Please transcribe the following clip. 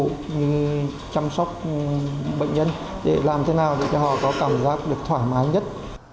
chúng tôi cũng chăm sóc bệnh nhân để làm thế nào để cho họ có cảm giác được thoải mái nhất